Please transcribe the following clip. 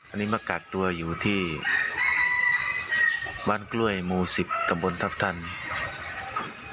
อันนี้มักกักตัวอยู่ที่ว้านกล้วยมูศิคกบรรทัพทัณฑ์